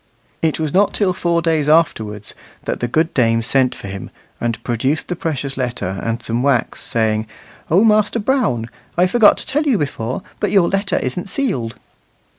It was not till four days afterwards that the good dame sent for him, and produced the precious letter and some wax, saying, "O Master Brown, I forgot to tell you before, but your letter isn't sealed."